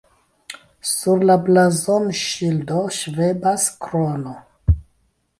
Sur la blazonŝildo ŝvebas krono.